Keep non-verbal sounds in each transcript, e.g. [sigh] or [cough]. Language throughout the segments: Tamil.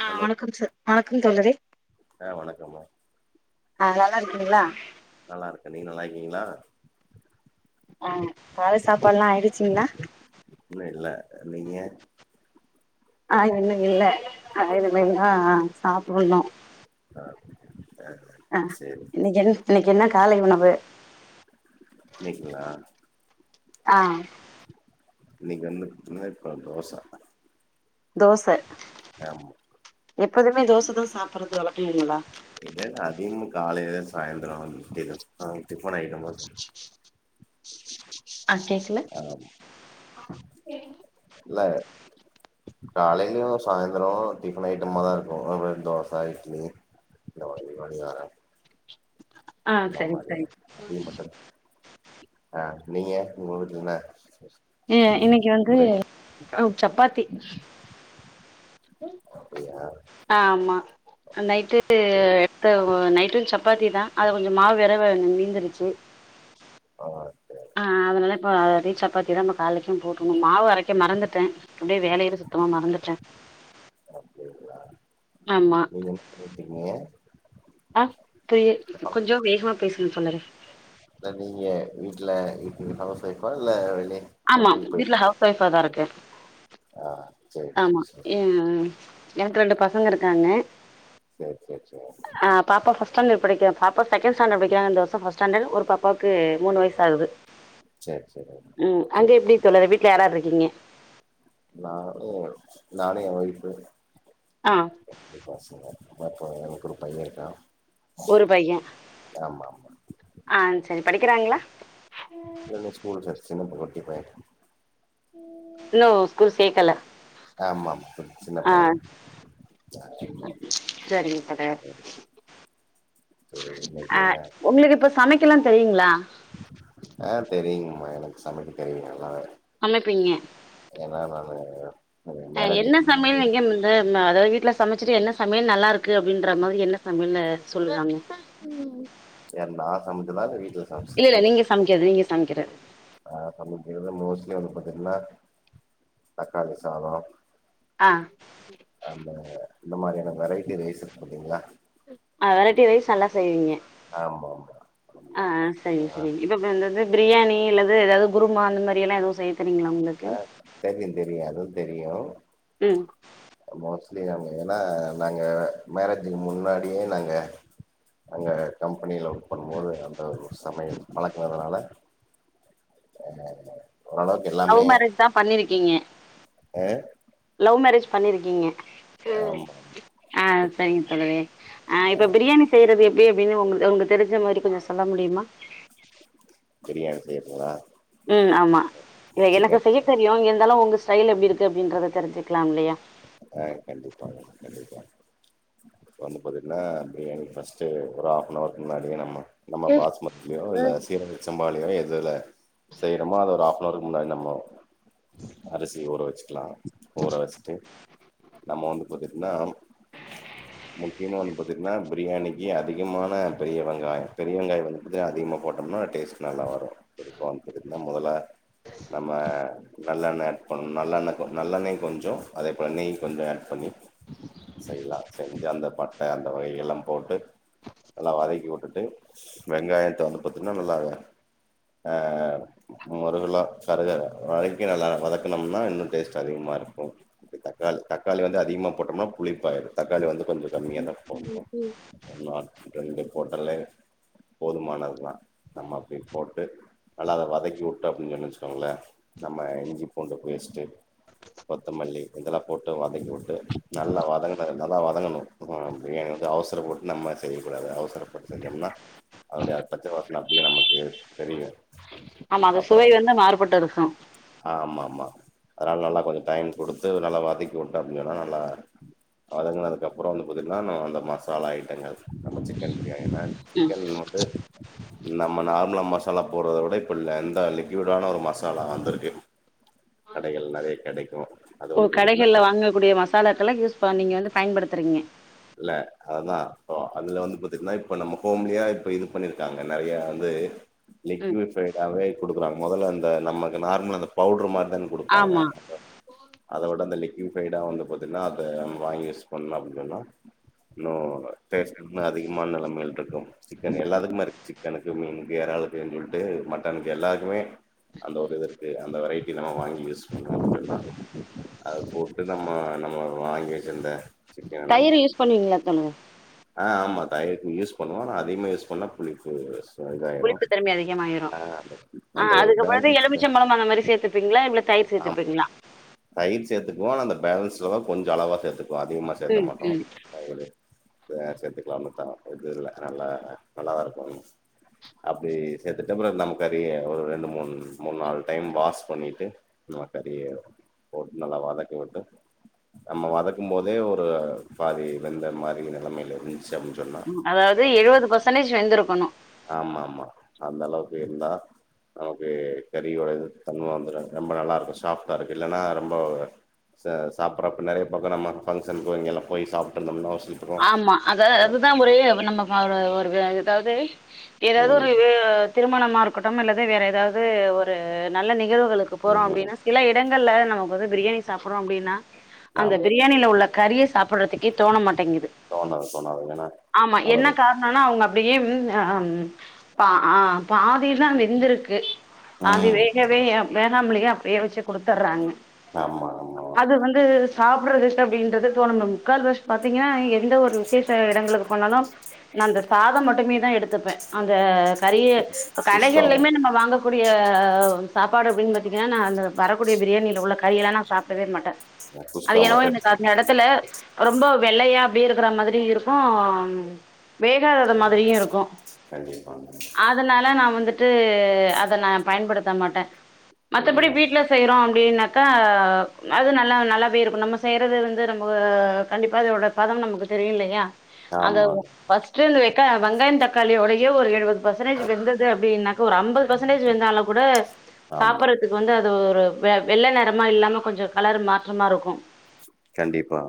அ ஹலோ வணக்கம் சர் வணக்கம் தோழரே ஆ வணக்கம்மா ஆ நல்லா இருக்கீங்களா நல்லா இருக்கே நீங்க நல்லா இருக்கீங்களா ஆ கால் சாப்பாடுலாம் ஆயிடுச்சிங்களா இன்னும் இல்ல நீங்க ஆ இன்னு இல்ல [unintelligible] ஆ ஆ சாப்டனும் ஆ அ சேரி இன்னைக்கு என்ன இன்னைக்கு என்ன காலை உணவு இன்னைக்குங்களா ஆ இன்னைக்கு வந்து முனைப்பா தோசா தோச எப்போதுமே தோச தா சாப் புறது வழக்குங்களா இல்ல நா அதிகம் காலையில சாயந்திரோ வந்து இட்லி தா டிஃபன் அயிட்டாமா சாப் [inaudible] [inaudible] ஆ கேக்ல ஆமா காலையில சாயந்தரம் டிஃபன் ஐட்டம்மாதா இருக்கும் தோசை இட்லி இந்த மாரி பனியாரோ ஆ இந்த சரி சரி மாரியான அப்பையும் பத்தல ஆ நீங்க உங்க வீட்டுல என்ன ஏன் இன்னைக்கு வந்து பிரேக் அ சப்பாத்தி அப்டியா ஆமா நைட்டு சேரி எத்த நைட்டுக்கு சப்பாத்தி தா அத கொஞ்சோ மாவு வெரவ நீீந்துருச்சு ஆ சேரி ஆ அதனால இப்ப நைட் சப்பாத்தி தா காலைக்கும் போட்டுங்க மாவு அரைக்க மறந்துட்டேன் அப்டியே வேலையில சுத்தமா மறந்துட்டேன் அப்டிங்களா ஆமா நீங்க நீங்க ஆ கே கொஞ்சோ வேகமா பேசுங்க தோழரே இல்ல நீங்க வீட்டுல எப்டி ஹவுஸ் வைஃப் அ இல்ல வெளி ஆமா வீட்ல ஹவுஸ் ஒய்ஃபா தா இருக்கேன் ஆ சேரி ஆமா சேரி ஹ்ஹ் எனக்கு ரெண்டு பசங்க இருக்காங்க சேரி சேரி சேரி ஆஹ் பாப்பா பஸ்ட் ச்டன்டர்ட் படிக்கறா பாப்பா இப்ப செகண்ட்ஸாண்டர் படிக்கிறா இந்த வருஷம் பஸ்ட ஸாண்டர்ட் ஒரு பாப்பாக்கு மூனுவயசு ஆகுது சேரி சேரி உஹம் அங்க சேரி எப்படி தோழர் வீட்டுல யார் யார் இருக்கீங்க நானு நானு ஏன் ஒய்ஃபு [unintelligible] [inaudible] ஆ ஆமா இப்ப எனக்கு ஒரு பையன் இருக்கா ஒரு பையெ ஆமா ஆமா ஆ செரி படிக்கிறாங்களா செங்கபட்டு வரைக்கு போயி இன்னு ஸ்கூல் சேக்கல ஆமா ஆமா குட் சின்ன ஆ பைய ஆமா சரிங்க சேரி சேரி [unintelligible] ஆ இன்னைக்கு என்ன உங்களுக்கு இப்ப சமைக்கலா தெரியுங்களா ஆ தெரியுங்க மா எனக்கு சமைக்க தெரியு நல்லாவே சமைப்பீங்க ஏனா நானு அது ஆ மேரேஜுக்கு என்ன சமை முன்னாடி எங்கருந்து வந்து அதாது வீட்ல சமைச்சுட்டு என்ன சமையல் நல்லாருக்கு அப்டின்ற மாதிரி என்ன சமையல் சொல்லறாங்க யார் நான் சமைகிதா இல்ல இல்ல நீங்க சமைக்கது நீங்க சமைக்கறது [unintelligible] மோஸ்ட்லி வந்து பாத்தீங்கன்னா தக்காளி சாதொ ஆ ஆமாங்க இந்த மாரியான வெரைட்டி ரைஸ் இருக்கு பாத்தீங்களா ஆ வெரைட்டி ரைஸ் நல்லா செய்வீங்க ஆமா ஆமா ஆ ஆமா சரி சரி இப்ப இப்ப இந்த பிரியாணி ல்லது எதாது குருமா அந்த மாரியெல்லா எதுவு செய்ய தெரியுங்களா உங்களுக்கு ஆ தெரியு தெரியு அதுவு தெரியு ம் மோஸ்ட்லி நம ஏனா நாங்க மேரேஜுக்கு முன்னாடியே நாங்க அங்க கம்பெனியில ஒர்க் பண்ணும்போது அந்த சமையல் பழக்கனதால [inaudible] ஒரளவுக்கு எல்லாமே தான் பண்ணிருக்கீங்க ஆ ம் ஆமா ஆ சரிங்க தோழி ஆ இப்ப பிரியாணி செய்றது எப்டி எப்டின்னு உங்க உங்க தெரிஞ்ச மாரி கொஞ்ச சொல்ல முடியுமா பிரியாணி செய்றதுங்களா ம் ஆமா எ எனக்கு சிக்கன் செய்ய தெரியும் இருந்தாலும் உங்க டைல் எப்படி இருக்கு அப்படின்றத தெரிஞ்சுக்கலாம் இல்லையா ஆ கண்டிப்பாங்க கண்டிப்பா இப்ப வந்து பாத்தீங்கன்னா பிரியாணிக்கு பஸ்ட் ஒரு ஹாஃப்னவர்க்கு முன்னாடியே நம்ம நம்ம பாஸ்மதிலயோ இல்ல சீரகச் சம்பா எதுல செய்றமோ அது ஒரு ஹாப்னவர்க்கு முன்னாடி நம்ம அரிசி ஊற வச்சுக்கலாம் ஊற வச்சுட்டு நம்ம வந்து பாத்தீன்னா முக்கியமா வந்து பாத்தீங்கன்னா பிரியாணிக்கு அதிகமான பெரிய வெங்காயம் பெரிய வெங்காயம் வந்து பாத்தீங்கன்னா அதிகமா போட்டோம்னா டேஸ்ட் நல்லா வரும் [unintelligible] முதல நம்ம நல்லெண்ணெ ஆட் பண்ணணும் நல்லெண்ண நல்லண்ணய கொஞ்சம் அதே பண்ணி கொஞ்சம் ஆட் பண்ணி செய்லாம் செஞ்சு அந்த பட்டை அந்த வகைகல்லாம் போட்டு நல்லா வதக்கி உட்டுட்டு வெங்காயத்தை வந்து பார்த்தோம்ன்னா நல்லா ஆ முருகுலா கருகரை வரக்கி நல்லா வதக்கனம்னா இன்னும் டேஸ்ட் அதிகமாக இருக்கும் தக்காளி தக்காளி வந்து அதிகமா போட்டோம்னா புளிப்பாயிடும் தக்காளி வந்து கொஞ்சம் கம்மியா தான் போட்னும் [unintelligible] போட்டலே போதுமானதுதான் நம்ம அப்படி போட்டு நல்ல அதை வதக்கி வி [unintelligible] நம்ம் இஞ்சி பூண்டு பேஸ்ட் கொத்தமல்லி இதெல்லாம் போட்டு வதக்கிவிட்டு நல்லா வதங்க நல்லா வதங்கணும் ம் பிரியாணி வந்து அவசரபட்டு நம்ம செய்யக்கூடாது அவச அவசர பட்டு செஞ்சோம்னா அதோட பச்ச [unintelligible] அப்படியே நம் ஆமா [unintelligible] அது அப்புறம் சுவை வந்து மாறுபட்டு இருக்கு ஆ ஆமா ஆமா அதனால் நல்லா கொஞ்சம் டைம் கொடு நல்ல வதக்கி உட்டிங்கனா நல்லா வதங்கினது அப்புறம் வந்து பாத்திங்கன்னா அந்த மசாலா ஐ [unintelligible] நம்ம சிக்கன் பிரியாணில ம் சிக்கன் வந்து நம்ம நார்மலா ம மசாலா போட்றதை விட இப்ப [unintelligible] லிக்விடான ஒரு மசாலா வந்துருக்கு ஓ வந்து கடைகள்ல பாத்தீங்கன்னா வாங்கக்கூடிய மசாலாக்கலாம் யூஸ் நீங்க வந்து பயன்படுத்துறீங்க இல்ல அததான் இப்ப அதுல வந்து பாத்தீங்கன்னா இப்ப நம்ம ஹோம்லியா இப்ப இது பண்ணிருக்காங்க நிறைய வந்து ம் லிகவிஃபைடாவே கொடுக்குறாங்க முதல அந்த நமக்கு நார்மல் அந்த பவுடர் மாரி கொடுப்பாங்க ஆமா அத விட அந்த லிக் [unintelligible] வந்து பாத்தீங்கன்னா அத வாங்கி யூஸ் பண்னோ அப்டின் சொன்னா நோ டேஸ்ட் இன்னு அதி மன [unintelligible] சிக்கன் எல்லாத்துக்குமே இருக்கு சிக்கனு மீனுக்கு எராலுக்குன் சொல்ட்டு மட்டன்க்கு எல்லார்க்குமே அந்த ஒரு இது இருக்கு அந்த வெரைட்டி தான வாங் யூஸ் பன்றோ இங்கெல்லா அத போட்டு நம்ம நம்ம வாங்கி வெச்சிர்ந்த தயிரு யூஸ் பண்ணுவீங்ளா தோழரே அ ஆமா தயிருக்கு யூஸ் பண்ணுவோ ஆனா அதிகமா யூஸ் பண்ணா புளிப்பு அ இதாயிரு புளிப்பு தன்மை அதிகமாயிரு அ ஆ அந்த ஒரு அதுக்கப்புறோ பேலன்ஸ்காக எலுமிச்சம்பழம் அந்த மாரி சேத்துப்பீங்களா இல்ல தயிர் ஆம் சேத்துப்பீங்களா தயிர் சேத்துக்குவோ ஆனா அந்த பேலுன்ஸ் கொஞ்ச அளவா சேத்து அதிகமா சேத்த ம் மாட்டோ ம் தயிறு சேத்துக்கலான்னு தா இது இல்ல நல்ல நல்லாதா இருக்கு அப்டி சேத்துட்டு அப்புற நம்ம கறிய ஒரு ரெண்டு மூணு மூணு நாள் டைம் வாஷ் பண்ணிட்டு நம்ம கறிய போட்டு நல்லா வதக்கி விட்டு நம்ம வதக்கும் போதே ஒரு பாதி வெந்த மாரி நெலைமைல இருந் செஞ்சோனா ம் அதாவது எழுவது பர்சன்டேஜ் வெந்திருக்கணு ஆமா ஆமா அந்தளவுக்கு இருந்தா நமக்கு கறியோட இது தன்ம வந்துரு ரொம்ப நல்லாருக்கு சாஃப்ட்டா இருக்கு இல்லனா ரொம்போ ச சாப்டுறப்ப நெறைய பக்கொ நம்ம பங்க்ஷனுக்கு இங்கெல்லா போய் சாப்ட்ருந்தம்னா ஆமா அத அதுதா ஒரே நம்ம ஒரு ஒரு அதாது ஏதாது ம் ஒரு வ திருமணமா இருக்கட்டும் இல்லது வேற அதாவுது ஒரு நல்ல நி கழ்வுகளுக்கு ம் போறோ ம். அப்டினா சில இடங்கள்ல நமக்கு வந்து பிரியாணி சாப்படுறோ அப்டினா அந்த ஆமா பிரியாணியில உள்ள கறிய சாப்படறதுக்கே தோண மாட்டேங்குது தோணாது தோணாது ஏன்னா ஆமா என்ன அதோட காரணனா அவுங்க அப்டியே இல்ல பா அ பாதிதா வெந்துருக்கு பாதி ம் வேகவே வேகாமலியு வே வெச்சு குடுத்தர்றாங்க ஆமா ஆமா அது வந்து சாப்டறது அப்டின்றது தோணணு முக்கால் வாசி பாத்தீங்கன்னா எந்த ஒரு விசேஷ எடங்களுக்கு போனாலு நா அந்த சாதம் மட்டுமேதா எடுத்துப்பே அந்த நெறைய இந்த குஷ்கா கடைகள்லுமே மட்டு நம்ம வாங்கக்கூடிய சாப் சப்பாடு அப்டின்னு பாத்திங்கன்னா நா அந்த வரக்கூடிய பிரியாணில உள்ள கறியெல்லா நா சாப்டவே மாட்ட அது குஷ்கா என்னவோ மட்டு எனக்கு அந்த எடுத்துக்கங்க எடத்துல ரொம்ப வெள்ளையாப் அப்டிய இருக்கற மாரி இருக்கு வேகாதத மாதிரியு இருக்கு கண்டிப்பாங்க அதனால நா வந்துட்டு ஆ அத நா பயன்படுத்த மாட்டேன் மத்தப்படி ம் வீட்ல செய்றோம் அப்டின்னா கா அது நல்லா நல்லவே இருக்கும் நம்ம செய்றது வந்து நம்ம கண்டிப்பா அதோட பதம் நமக்கு தெரிலையா அத ஆமாங்க பஸ்ட்டு க்கா வங்காயம் தக்காளியோடையே ஒரு எழுவது பர்ஸ்சன்டேஜ் வெந்தது அப்டின்னா ஒரு அம்பது பர்ஸ்சன்டேஜ் வெந்தாலும் கூட ஆமா சாப்புர்றதுக்கு வந்து அது ஒரு வெ வெள்ள நெரமா இல்லாம கொஞ்சம் கலறு மாற்றமா இருக்கும் கன்டிப்பா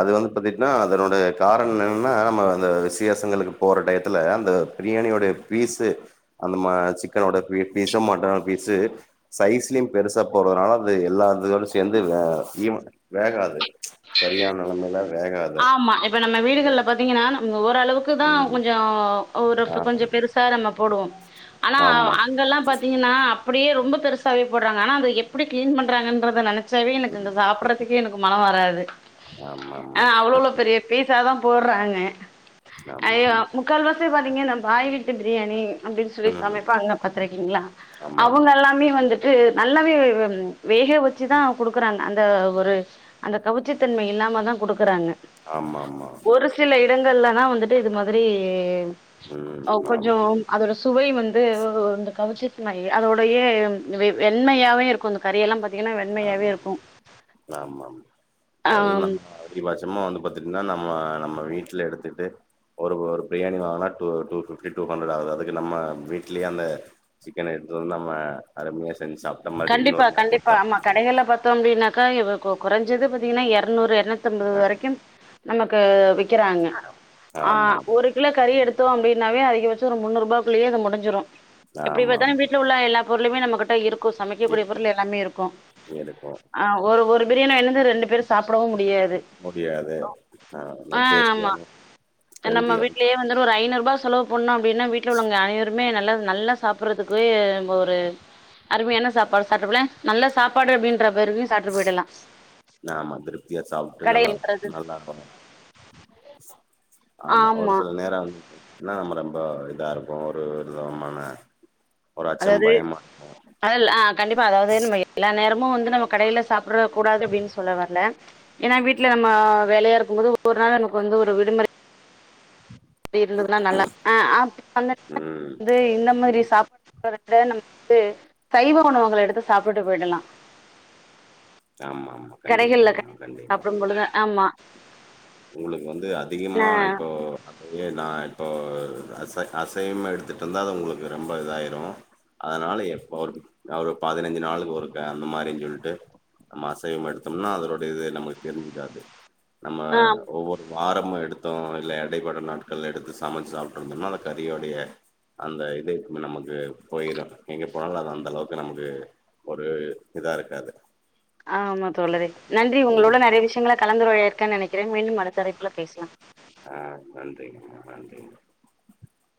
அது வந்து பாத்தீட்ங்னா அதனோட காரணம் என்னன்னா நம்ம அந்த விசியசங்களுக்கு போற டயத்துல அந்த பிரியாணியோடைய பீஸ்ஸு அந்த சிக்கனோட பீஸ்ஸும் மட்டனோட பீஸு சைஸ்லயும் பெருசா போறதுனால அது எல்லா இதோட சேந்து ஆ [unintelligible] வேகாது சரியான நிலைமைல வேகாது. ஆம்மா இப்ப நம்ம அதோட வீடுகள்ல பாத்தீங்கன்னா நம்ம ஓரளவுக்கு தான் ம். கொஞ்ஜோம் ஒரு ஆ கொஞ்ஜோ பெருசா நம்ம போடுவோம் ஆனா அ ஆமா. அங்கல்லாம் பாத்தீங்கனா அப் அப்டியே ரொம்ப பெருசாவே போட்றாங்க ஆனா அத எப்டி கிளீன் பண்றாங்கன்றத நெனச்சா சவி எனக்கு ம். இங்க சாப்புற்றதுக்கே எனக்கு மனம் வராது ஆஹ் ஆமாமா. அவ்ளோ அவ்ள பெரிய பீசாத்தான் போற்றாங்க ஐயோ ஆமாமா. முக்கால்வாசி பாத்தீங்கனா பாய் வீட்டு [unintelligible] பிரியாணி அப்டின்னு சொல்லி ம். சமப்பாங்க பாத்திருக்கீங்களா அவங்க ஆமாமா. எல்லாமே வந்துட்டு நல்லாவே ம் வேக வச்சுதான் குடுக்குறாங்க அந்த ஒரு அந்த நச்சித்தன்மை இல்லாம தான் குடுக்குறாங்க ஆமாமா. ஒரு சில இடங்கள்லனா வந்துட் [unintelligible] இது மாதிரி ம். ஓ ஆம். கொஞ்ஜோம் அதோட சுவை வந் அது வ கவுச்சி அதோடைய வெண்மையாவே இருக்கும் அந்த கறி எல்லாம் பாத்தி ஆமா ஆமா ஆம் ஆ அத நம்ம அதிகபட்சமா வந்து பாத்தீட்டீங்கன்னா நம்ம நம்ம வீட்ல எடுத்துட்டு ஒரு ஒரு பிரியாணிங்க வாங்குன டுபிப்டி டு ஹண்ட்ர்டு ஆகுது அதுக்கு நம்ம விட்லையே அந்த சிக்கன எடுத்துட்டுவந்து நம்ம அருமையா செஞ்சு [unintelligible] சாப்ட மாரி இன்னொரு நேரமும் சாப் கடைகள பாத்தோம் அப்டின்னாக்க குறஞ்சது பாத்தீங்கன்னா எறநூறு எறனுத் ன்பது வரைக்கும் நமக்கு விக்கறாங்க ஆ ஆமா ஆஹ் ஒரு கிலோ கறி எடுத்தோம் அப்டின் வே அதிக பச்சம் ஒரு முன்னூறு ரூபா குள்ளயே முடிஞ்சிடும் ஆமா எப்டி ஆமா பத்தாலும் ஆமா வீட்டுல உள்ள எல்லா பொருளுமே நம்ம இருக்கும் கு சமைக்கக்கூடிய இருக்கு பொருள் எல்லாமே இருக்கும் இருக்கு ஒரு ஒரு பிரியாணி வந்து ரெண்டு பேர் சாப்டவும் முடியாது முடியாது ஆ நல்லா ஆஹ் ஆமா டேஸ்டியாவு நம்ம ஹெல்தியாவு வீட்லயே வந்துட் சாப்டலா ஒரு ஐநூறு ரூபா செலவு பண்ணோம் அப்டின்னா வீட்ல உள்ளவங்க அனைவருமே நல்ல நல்லா சாப்படுறதுக்கு நம்ம ஒரு அருமையன சாப்பாடு சாப்ட்ட போல நல்ல சாப்பாடு அப்டின்ற பேருக்கு சாப்ட்டு போய் டலாம் ஆமா திருப்தியா சாப்பிட்டு நல்லா நல்லா இருக்கும் ஆமா ஒரு சில நேரம் வந்து என்னா நம்ம ரொம்ப இதா இருக்கும் ஒரு விதமான ஒரு அச்சம் அதாவது பயமா இருக்கு அதல்ல ஆஹ் கண்டிப்பா அதாவது நம்ம எல்லா நேரமும் வந்து நம்ம கடையில சாப்ட்டு சாப்ட கூடாது அப்டின்னு சொல்ல வரல ஏன்னா வீட்டுல நம்ம வேலையா இருக்கும் போது ஒரு நாள் நமக்கு வந்து ஒரு விடுமுறை அப்டி இருந்திருந்த நல்லா ஆஹ் அப் அந்த ம். வந்து இந்த மாதிரி கண்டிப் சாப் போறதா விட நம்ம வந்து சைவ உணவங்களை எடுத்து சாப்பிட்டு போயிடலாம் கண்டிப்பா ஆஹ் கண்டிப்பா பொழுது ஆமா உங்களுக்கு வந்து அதிகமா ஆ இப்போ ஏ நான் இப்போ அச அசைவம் எடுத்துட்டு இருந்தா அது உங்களுக்கு ரொம்ப இதாயிடும் அதனால எப் ஒரு ஒரு பதினஞ்சு நாளுக்கு ஒருக்க அந்த மாரின்னு சொல்லிட்டு மாசம் மாசம் எடுத்தோம்னா அதோடைய இது நமக்கு தெரிஞ்சுக்காது நம்ம ஆ ஒவ்வொரு வாரமும் எடுத்து அத்தம் இல்ல எடைப்பட நாட்கள்ல எடுத்து சமைச்சு சாப்பிட இருந்தோம்னா அந்த கறியோடைய அந்த இருக்குமே நமக்கு போயிரும் எங்க போனலும் அது அந்த அளவுக்கு நமக்கு ஒரு இதா இருக்காது ஆமா தோழரே நன்றி உங்களோட நிறைய விஷயங்கள கலந்துரையாடிருக்கேன் நினைக்கிறேன் மீண்டும் தரை ஆஹ் நன்றி ங்கமா நன்றி